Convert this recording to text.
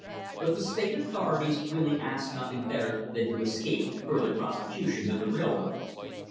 But the state authorities really asked nothing better than to escape further prosecution of the railroads.